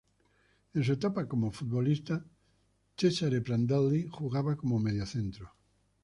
En su etapa como futbolista, Cesare Prandelli jugaba como mediocentro.